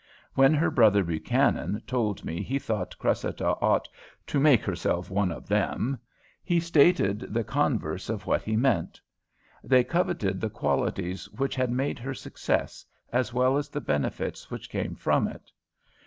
When her brother Buchanan told me he thought Cressida ought "to make herself one of them," he stated the converse of what he meant. They coveted the qualities which had made her success, as well as the benefits which came from it.